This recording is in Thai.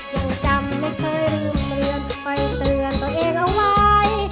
ยังจำไม่เคยลืมเตือนคอยเตือนตัวเองเอาไว้